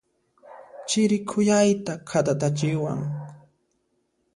Chiri khuyayta khatatachiwan.